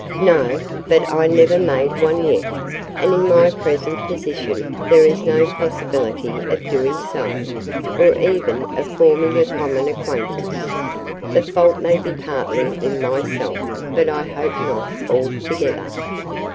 "No, but I never made one yet; and in my present position there is no possibility of doing so, or even of forming a common acquaintance. The fault may be partly in myself, but I hope not altogether."